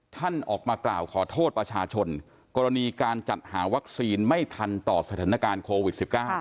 ท่านออกมากล่าวขอโทษประชาชนกรณีการจัดหาวัคซีนไม่ทันต่อสถานการณ์โควิด๑๙